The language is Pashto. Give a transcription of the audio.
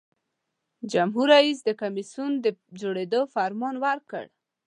جمهور رئیس د کمیسیون د جوړیدو فرمان ورکړ.